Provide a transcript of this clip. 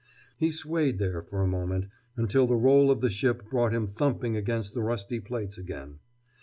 He swayed there, for a moment, until the roll of the ship brought him thumping against the rusty plates again.